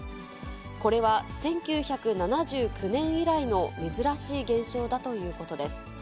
これは、１９７９年以来の珍しい現象だということです。